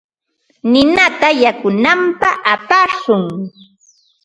Ninata yanunapaq apashun.